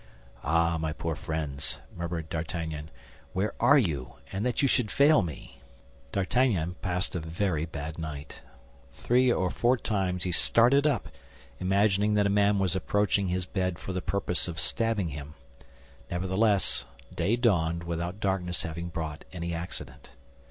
"Ah, my poor friends!" murmured D'Artagnan; "where are you? And that you should fail me!" D'Artagnan passed a very bad night. Three or four times he started up, imagining that a man was approaching his bed for the purpose of stabbing him. Nevertheless, day dawned without darkness having brought any accident.